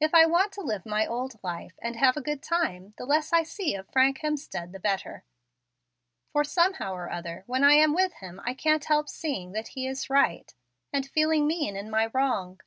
If I want to live my old life, and have a good time, the less I see of Frank Hemstead the better, for, somehow or other, when I am with him I can't help seeing that he is right, and feeling mean in my wrong.